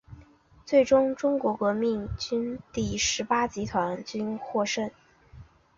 最终中国国民革命军第十八集团军获胜。